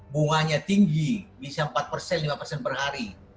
bunganya tinggi bisa empat persen lima persen per hari